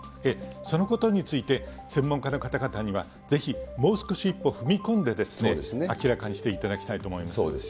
そのことについて、専門家の方々にはぜひもう少し一歩踏み込んで、明らかにしていただきたいと思います。